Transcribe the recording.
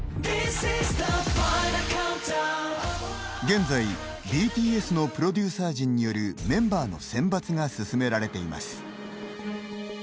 現在、ＢＴＳのプロデューサー陣によるメンバーの選抜が進められています。